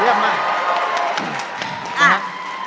เรียบร้อย